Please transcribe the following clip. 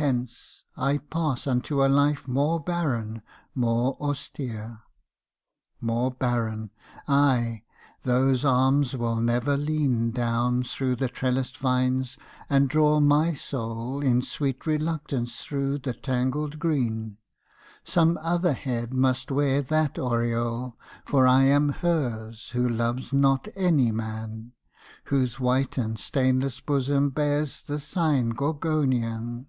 Hence! I pass unto a life more barren, more austere. More barren—ay, those arms will never lean Down through the trellised vines and draw my soul In sweet reluctance through the tangled green; Some other head must wear that aureole, For I am hers who loves not any man Whose white and stainless bosom bears the sign Gorgonian.